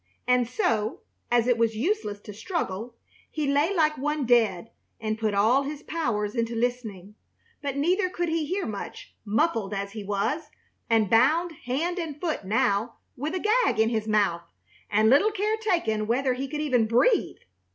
And so, as it was useless to struggle, he lay like one dead and put all his powers into listening. But neither could he hear much, muffled as he was, and bound hand and foot now, with a gag in his mouth and little care taken whether he could even breathe.